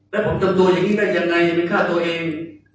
แล้วผมทำตัวอย่างนี้ได้ยังไงไปฆ่าตัวเอง